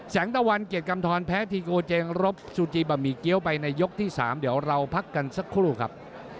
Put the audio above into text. ตะวันเกียรติกำทรแพ้ทีโกเจงรบซูจีบะหมี่เกี้ยวไปในยกที่๓เดี๋ยวเราพักกันสักครู่ครับ